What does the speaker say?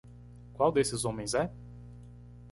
Qual desses homens é?